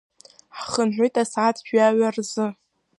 Ҳхынҳәит асааҭ жәаҩа рзы.